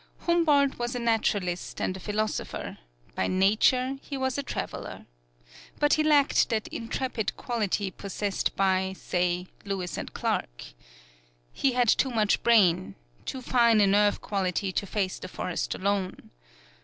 Humboldt was a naturalist and a philosopher; by nature he was a traveler. But he lacked that intrepid quality possessed by, say, Lewis and Clarke. He had too much brain too fine a nerve quality to face the forest alone.